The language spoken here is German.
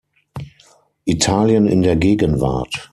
Italien in der Gegenwart.